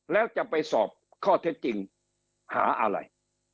แล้วจะไปสอบข้อเท็จจริงหาอะไร